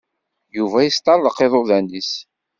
Yuba yesṭeṛḍeq iḍuḍan-is.